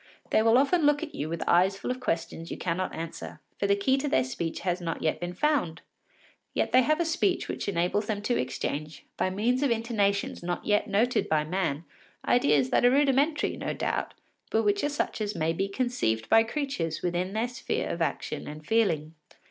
They will often look at you with eyes full of questions you cannot answer, for the key to their speech has not yet been found. Yet they have a speech which enables them to exchange, by means of intonations not yet noted by man, ideas that are rudimentary, no doubt, but which are such as may be conceived by creatures within their sphere of action and feeling.